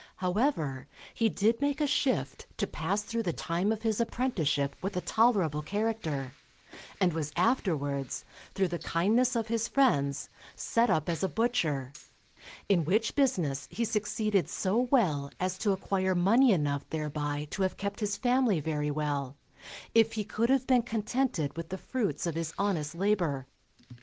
However, he did make a shift to pass through the time of his apprenticeship with a tolerable character, and was afterwards, through the kindness of his friends, set up as a butcher; in which business he succeeded so well as to acquire money enough thereby to have kept his family very well, if he could have been contented with the fruits of his honest labour.